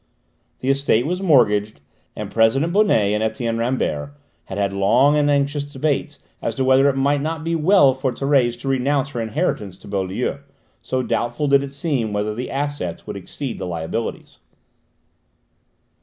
The estate was mortgaged, and President Bonnet and Etienne Rambert had had long and anxious debates as to whether it might not be well for Thérèse to renounce her inheritance to Beaulieu, so doubtful did it seem whether the assets would exceed the liabilities.